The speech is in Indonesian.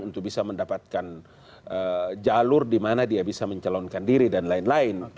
untuk bisa mendapatkan jalur di mana dia bisa mencalonkan diri dan lain lain